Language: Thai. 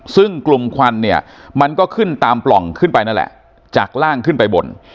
ซึ่งกลุ่มควันเนี่ยมันก็ขึ้นตามปล่องขึ้นไปนั่นแหละจากล่างขึ้นไปบน